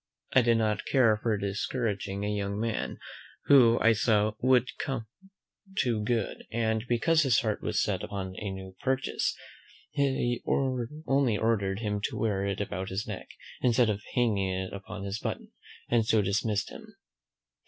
I did not care for discouraging a young man, who, I saw, would come to good; and, because his heart was set upon his new purchase, I only ordered him to wear it about his neck, instead of hanging it upon his button, and so dismissed him.